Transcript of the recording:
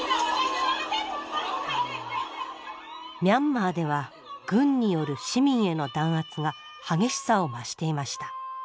ミャンマーでは軍による市民への弾圧が激しさを増していました。